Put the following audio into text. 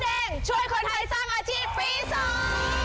แดงช่วยคนไทยสร้างอาชีพปีสอง